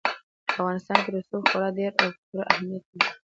په افغانستان کې رسوب خورا ډېر او پوره اهمیت لري.